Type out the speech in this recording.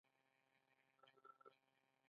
ایا تاسو کله په کلینیک کې یاست؟